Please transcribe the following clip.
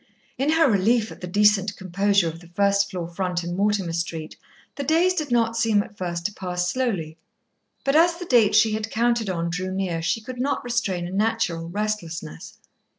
In her relief at the decent composure of the first floor front in Mortimer Street the days did not seem at first to pass slowly. But as the date she had counted on drew near she could not restrain a natural restlessness.